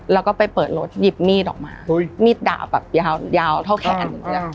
แล้วก็ไปเปิดรถหยิบมีดออกมามีดดาบแบบยาวเท่าแขน